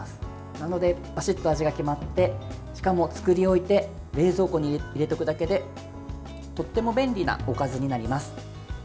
なので、バシッと味が決まってしかも作り置いて冷蔵庫に入れておくだけでとっても便利なおかずになります。